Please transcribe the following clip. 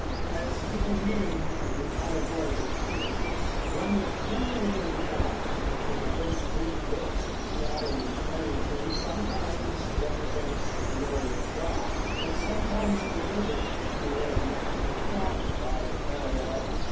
As to the meaning of the allegorical figures, one is generally in doubt. In the first three books the shadowy Faery Queen sometimes represents the glory of God and sometimes Elizabeth, who was naturally flattered by the parallel.